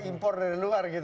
kita impor dari luar gitu ya